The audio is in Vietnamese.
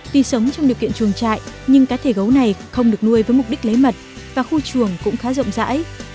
tuy sống trong điều kiện chuồng trại nhưng cá thể gấu này không được nuôi với mục đích lấy mật và khu chuồng cũng khá rộng rãi